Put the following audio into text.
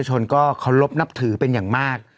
แล้วก็เขารบนับถือเป็นอย่างมาก